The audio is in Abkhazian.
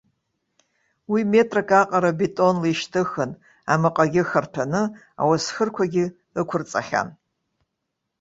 Уи метрак аҟара бетонла ишьҭыхын, амаҟагьы ахарҭәаны, ауасхырқәагьы ықәырҵахьан.